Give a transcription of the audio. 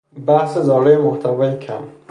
بحث دارای محتوای کم